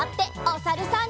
おさるさん。